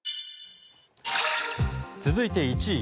続いて１位。